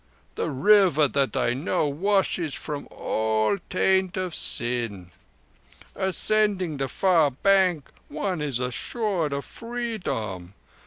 The River that I know washes from all taint of sin. Ascending the far bank one is assured of Freedom.